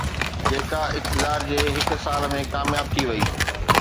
جيڪا اقتدار جي هڪ سال ۾ ڪامياب ٿي وئي